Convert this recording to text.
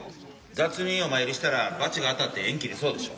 雑にお参りしたら罰が当たって縁切れそうでしょ。